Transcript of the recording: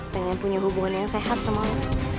pengen punya hubungan yang sehat sama lo